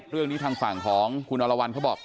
เรื่องนี้ทางฝั่งของคุณอรวรรณเขาบอก